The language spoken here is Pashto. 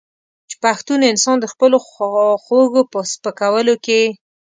چې پښتون انسان د خپلو خواخوږو په سپکولو کې.